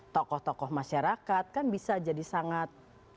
tokoh tokoh masyarakat kan bisa jadi sangat